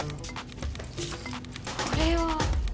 これは。